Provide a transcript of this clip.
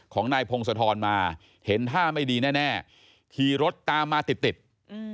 ของนายพงศธรมาเห็นท่าไม่ดีแน่แน่ขี่รถตามมาติดติดอืม